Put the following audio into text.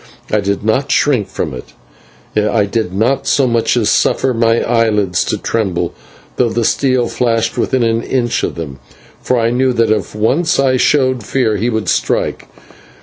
I did not shrink from it; I did not so much as suffer my eyelids to tremble, though the steel flashed within an inch of them, for I knew that if once I showed fear he would strike.